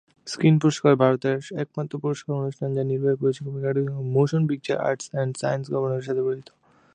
Screen পুরস্কার ভারতের একমাত্র পুরস্কার অনুষ্ঠান যা নির্বাহী পরিচালক এবং Academy of Motion Picture Arts and Sciences গভর্নরের সাথে জড়িত।